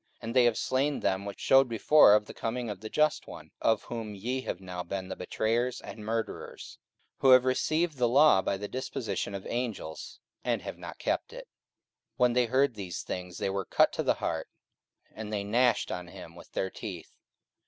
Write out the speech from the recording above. and they have slain them which shewed before of the coming of the Just One; of whom ye have been now the betrayers and murderers: 44:007:053 Who have received the law by the disposition of angels, and have not kept it. 44:007:054 When they heard these things, they were cut to the heart, and they gnashed on him with their teeth.